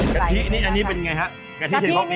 กะตี้อันนี้เป็นอย่างไรครับ